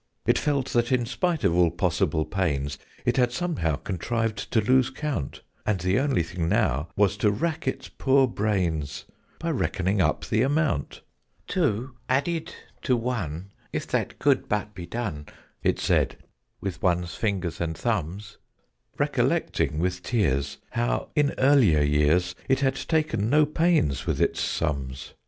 It felt that, in spite of all possible pains, It had somehow contrived to lose count, And the only thing now was to rack its poor brains By reckoning up the amount. "Two added to one if that could but be done," It said, "with one's fingers and thumbs!" Recollecting with tears how, in earlier years, It had taken no pains with its sums.